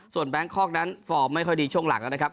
แบงคอกนั้นฟอร์มไม่ค่อยดีช่วงหลังแล้วนะครับ